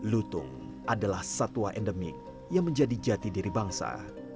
lutung adalah satwa endemik yang menjadi jati diri bangsa